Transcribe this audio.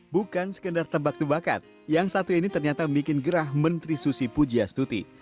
bukan sekedar tebak tebakan yang satu ini ternyata membuat gerah menteri susi pujia stuti